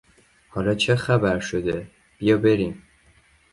حالا چه خبر شده! بیا بریم!